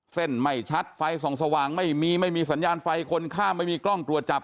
ไม่ชัดไฟส่องสว่างไม่มีไม่มีสัญญาณไฟคนข้ามไม่มีกล้องตรวจจับ